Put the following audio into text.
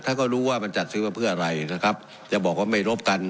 ท่านก็รู้ว่ามันจัดซื้อมาเพื่ออะไรนะครับจะบอกว่าไม่รบกัน